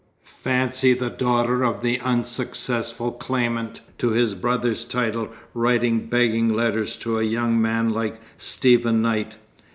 Fancy the daughter of the unsuccessful claimant to his brother's title writing begging letters to a young man like Stephen Knight!